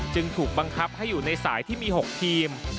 จึงถูกบังคับให้อยู่ในสายที่มี๖ทีม